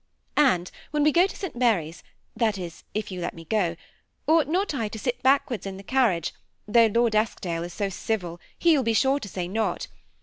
And when we go to St. Mar3r's, that is, if you let me go, ought not I to sit backwards in the carriage, though Lord Eskdale is so civil, he will be sure to say not